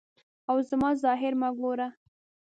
او زما ظاهر مه ګوره.